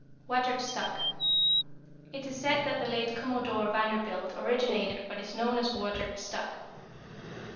=Watered Stock.= It is said that the late Commodore Vanderbilt originated what is known as watered stock.